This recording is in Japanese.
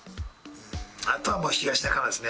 あとはもう東中野ですね。